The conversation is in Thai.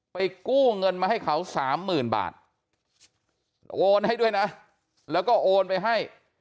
กู้เงินมาให้เขาสามหมื่นบาทโอนให้ด้วยนะแล้วก็โอนไปให้